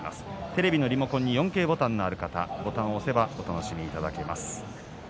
テレビのリモコンに４Ｋボタンががある方はボタンを押せばお楽しみいただけます。